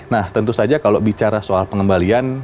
nah tentu saja kalau bicara soal pengembalian